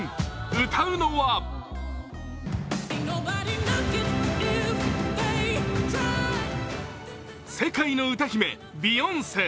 歌うのは世界の歌姫・ビヨンセ。